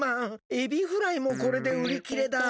エビフライもこれでうりきれだ。